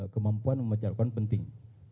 kemampuan memacarkan penting